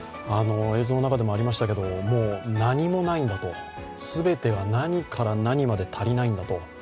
映像の中でもありましたけれども、何もないんだと、全て何から何まで足りないんだと。